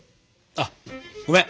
あごめん。